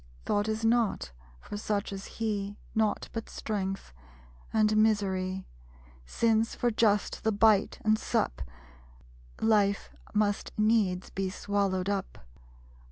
Thought is not for such as he; Naught but strength, and misery; Since, for just the bite and sup, Life must needs be swallowed up.